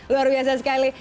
luar biasa sekali